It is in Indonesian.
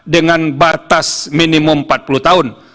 dengan batas minimum empat puluh tahun